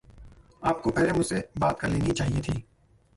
आपको पहले मुझसे बात कर लेनी चाहिए थी।